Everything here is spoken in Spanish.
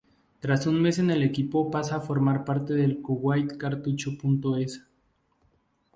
Tras un mes en el equipo pasa a formar parte del Kuwait-Cartucho.es.